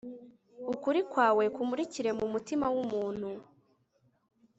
Ukuri kwawe kumurikire mumutima wumuntu